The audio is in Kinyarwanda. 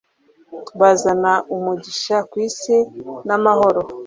Bazana umugisha ku isi n’amahoro